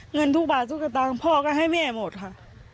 เงินทุกบาททุกสตางค์พ่อก็ให้แม่หมดค่ะ